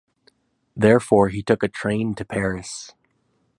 Therefore he took a train to Paris.